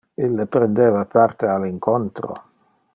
Ille prendeva parte al incontro.